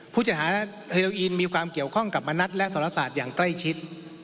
ผู้จัดหาเฮโรอีนมีความเกี่ยวข้องกับมณัฐและสรศาสตร์อย่างใกล้ชิด